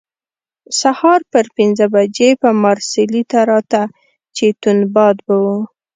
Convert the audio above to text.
سهار پر پنځه بجې به مارسیلي ته راته، چې توند باد به وو.